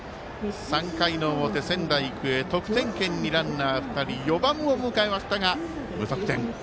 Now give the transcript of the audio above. ３回の表、仙台育英得点圏にランナー２人４番を迎えましたが無得点。